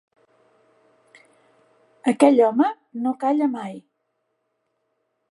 Aquell home no calla mai.